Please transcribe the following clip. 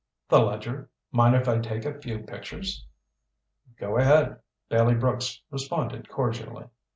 "The Ledger. Mind if I take a few pictures?" "Go ahead," Bailey Brooks responded cordially.